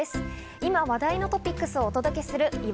今話題のトピックスをお届けするいわ